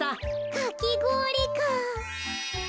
かきごおりか。